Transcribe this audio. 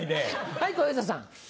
はい小遊三さん。